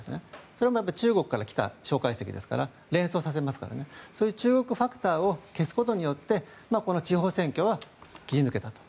それも中国から来た蒋介石ですから連想させますからそういう中国ファクターを消すことによってこの地方選挙は切り抜けたと。